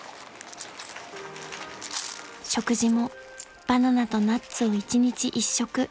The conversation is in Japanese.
［食事もバナナとナッツを一日１食］